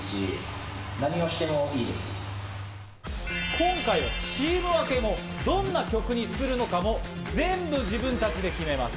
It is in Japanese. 今回はチーム分けも、どんな曲にするのかも全部自分たちで決めます。